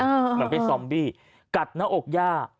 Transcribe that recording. เหมือนเป็นซอมบี้กัดหน้าอกย่า